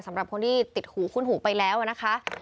สำหรับคนที่ติดหูคุ้นหูไปแล้วนะคะ